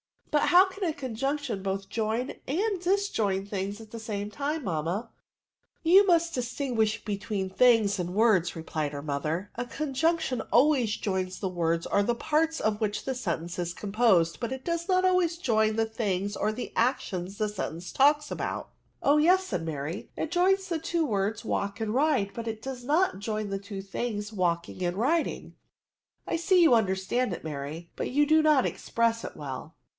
Sut how can a coi^m^ction both join and dis join things at the same .time, manmia ?"" You must distinguish between things and words," replied her mother :^^ a conjunc tion always joins the words or the parts of which the sentence is composed, but it does not always join the things or the actions the sentence talks about." " Oh yes," said Mary, " it joins the two words walk and ride, but it does not join the two things walking and riding." ^' Jjiee that you understand it, Mary, but you do not express it well.